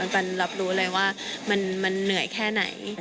ปันรับรู้เลยว่ามันเหนื่อยแค่ไหน